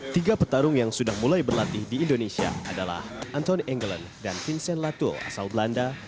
tiga petarung yang sudah mulai berlatih di indonesia adalah anton engelen dan vincent latul asal belanda